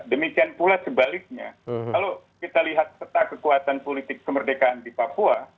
demikian pula sebaliknya kalau kita lihat peta kekuatan politik kemerdekaan di papua